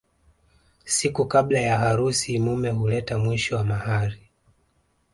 Siku kabla ya harusi mume huleta mwisho wa mahari